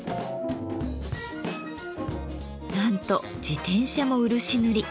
なんと自転車も漆塗り。